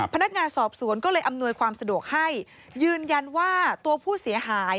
พนักงานสอบสวนก็เลยอำนวยความสะดวกให้ยืนยันว่าตัวผู้เสียหาย